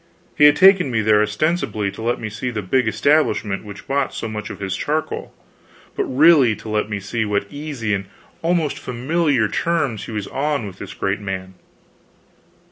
He had taken me there ostensibly to let me see the big establishment which bought so much of his charcoal, but really to let me see what easy and almost familiar terms he was on with this great man.